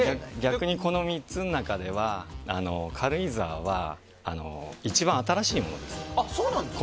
逆にこの３つの中では軽井沢は一番新しいものです。